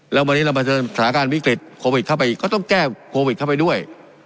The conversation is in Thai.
แล้ววันนี้เราเผชิญสถานการณ์วิกฤตโควิดเข้าไปอีกก็ต้องแก้โควิดเข้าไปด้วย